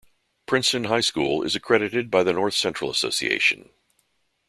Princeton High School is accredited by the North Central Association.